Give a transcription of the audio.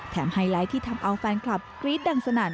ไฮไลท์ที่ทำเอาแฟนคลับกรี๊ดดังสนั่น